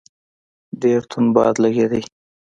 ډېر توند باد لګېدی.